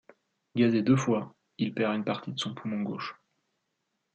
Gazé deux fois, il perd une partie de son poumon gauche.